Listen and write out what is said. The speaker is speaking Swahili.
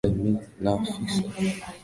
na afisa Mwingereza wa jeshi la kikoloni